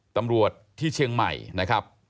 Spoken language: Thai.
ตำรวจที่เชียงใหม่นะครับ